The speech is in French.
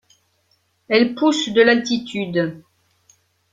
Elle pousse de d’altitude.